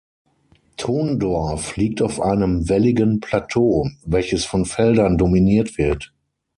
Thondorf liegt auf einem welligen Plateau, welches von Feldern dominiert wird.